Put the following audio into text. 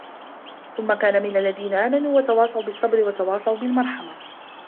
ثُمَّ كانَ مِنَ الَّذينَ آمَنوا وَتَواصَوا بِالصَّبرِ وَتَواصَوا بِالمَرحَمَةِ